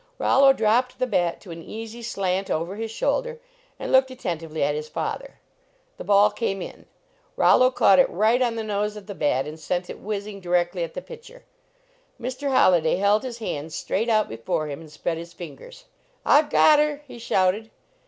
Rollo dropped the bat to an easy slant over his shoulder and looked attentively at his father. The ball came in. Rollo caught it right on the nose of the bat and sent it whizzing directly at the pitcher. Mr. Holli day held his hands straight out before him and spread his fingers. " I ve got her!" he shouted.